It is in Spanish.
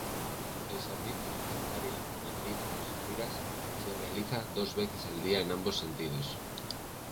El servicio Altaria Madrid-Algeciras se realiza dos veces al día en ambos sentidos.